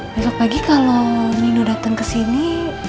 besok pagi kalau nino datang kesini